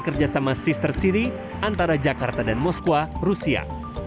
kerjasama sister city antara jakarta dan moskwa rusia